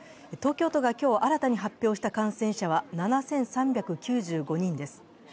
東京都が今日新たに発表した感染者は７３９５人です。